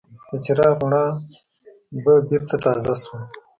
د څراغ رڼا به بېرته تازه شوه.